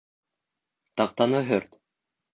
Таҡтаны һөрт